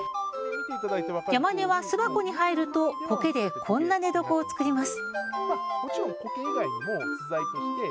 ヤマネは巣箱に入るとこけでこんな寝床を作ります。